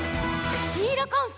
「シーラカンス」